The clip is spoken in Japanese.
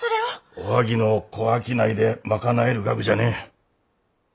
おはぎの小商いで賄える額じゃねえ。